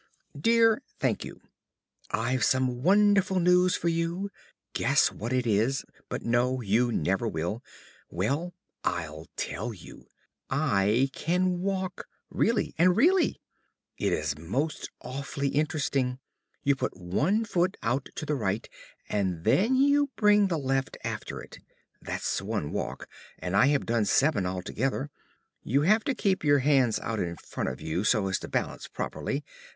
] I Dear Thankyou, I've some wonderful news for you! Guess what it is; but no, you never will. Well, I'll tell you. I can walk! Really and really. It is most awfully interesting. You put one foot out to the right, and then you bring the left after it. That's one walk, and I have done seven altogether. You have to keep your hands out in front of you, so as to balance properly.